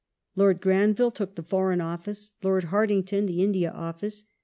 ^ Lord Granville took the Foreign Office, Lord Hartington the India Office.